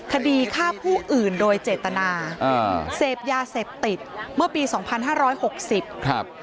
คดีฆ่าผู้อื่นโดยเจตนาอ่าเสพยาเสพติดเมื่อปีสองพันห้าร้อยหกสิบครับ